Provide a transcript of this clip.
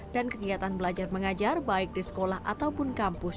dan kegiatan belajar mengajar baik di sekolah ataupun kampus